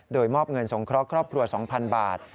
โดยมอบเงินสงเคราะห์ครอบครัว๒๐๐๐บาท